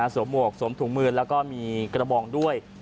หมวกสวมถุงมือแล้วก็มีกระบองด้วย